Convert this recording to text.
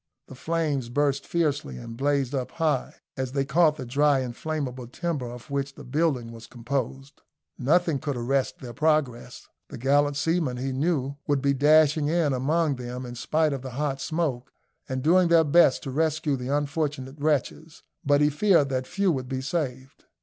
The flames burst fiercely, and blazed up high, as they caught the dry inflammable timber of which the building was composed. Nothing could arrest their progress. The gallant seamen, he knew, would be dashing in among them in spite of the hot smoke, and doing their best to rescue the unfortunate wretches, but he feared that few would be saved.